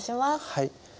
はい。